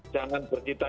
jangan berdita di rumah